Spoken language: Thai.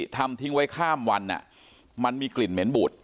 ทิ้งไว้ข้ามวันมันมีกลิ่นเหม็นบูด